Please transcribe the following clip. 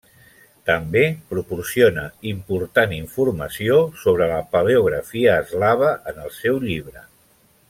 També proporciona important informació sobre la paleografia eslava en el seu llibre.